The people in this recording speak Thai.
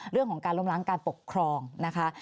เรื่องของการล้มล้างการปกครองนะคะ